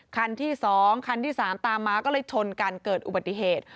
คันที่๒คันที่๓ตามมาก็เลยชนกันเกิดอุบัติเหตุ